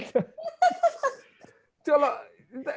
ya itulah makanya